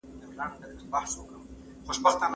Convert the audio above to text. خلګو له تجربو څخه زده کړه کړې ده.